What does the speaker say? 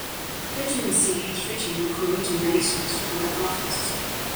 Vitamin C has written or co-written many songs for other artists.